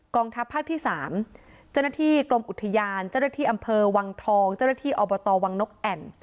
ทัพภาคที่๓เจ้าหน้าที่กรมอุทยานเจ้าหน้าที่อำเภอวังทองเจ้าหน้าที่อบตวังนกแอ่น